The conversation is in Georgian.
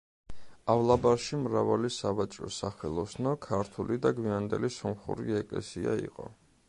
ავლაბარში მრავალი სავაჭრო-სახელოსნო, ქართული და გვიანდელი სომხური ეკლესია იყო.